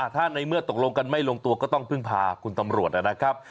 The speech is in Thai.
ถ้าในเมื่อตกลงกันไม่ลงตัวก็ต้องพึ่งพาคุณตำรวจนะครับ